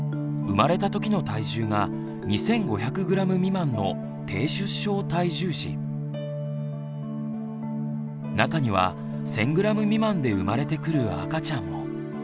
生まれたときの体重が２，５００ｇ未満の中には１，０００ｇ未満で生まれてくる赤ちゃんも。